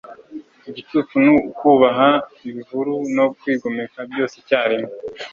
igicucu ni ukubaha, ibihuru, no kwigomeka - byose icyarimwe